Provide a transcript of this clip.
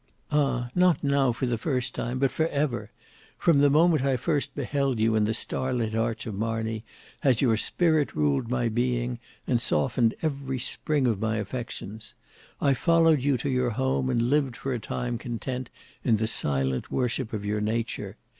"Ah! not now for the first time, but for ever; from the moment I first beheld you in the starlit arch of Marney has your spirit ruled my being and softened every spring of my affections. I followed you to your home, and lived for a time content in the silent worship of your nature.